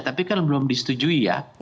tapi kan belum disetujui ya